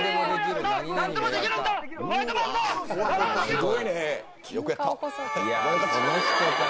「すごいね」